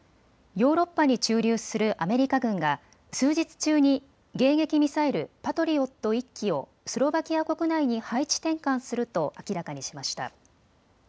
ヨーロッパに駐留するアメリカ軍が数日中に迎撃ミサイルパトリオット１基をスロバキア国内に配置転換すると明らかにしました。